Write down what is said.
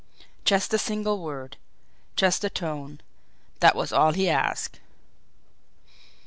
Just a single word, just a tone that was all he asked.